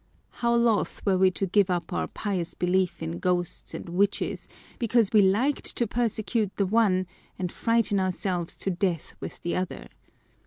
How loth were we to give up our pious belief in ghosts and witches, because we liked to persecute the one, and frighten ourselves to death with the other